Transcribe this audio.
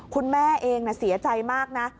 คุณแม่เองเสียใจมากนะ